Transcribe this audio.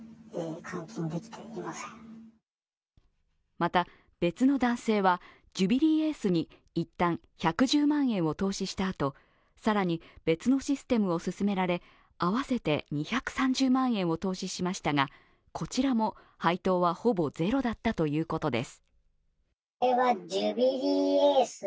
また、別の男性はジュビリーエースに一旦１１０万円を投資したあと、更に別のシステムを勧められ、合わせて２３０万円を投資しましたが、こちらも配当はほぼゼロだったということです。